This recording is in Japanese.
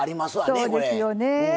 そうですよねえ。